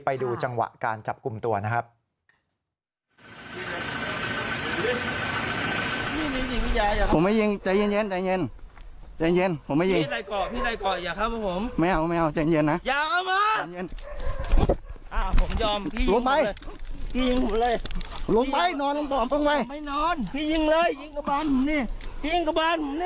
ไปดูจังหวะการจับกลุ่มตัวนะครับ